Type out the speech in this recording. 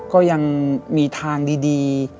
ก็ยังมีทางดี